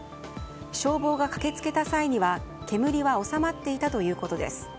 消防が駆け付けた際には煙は収まっていたということです。